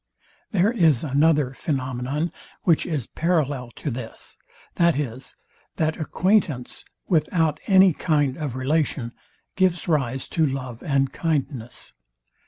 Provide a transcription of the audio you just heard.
There is another phænomenon, which is parallel to this, viz, that acquaintance, without any kind of relation, gives rise to love and kindness.